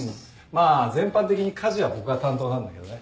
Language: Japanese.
まあ全般的に家事は僕が担当なんだけどね。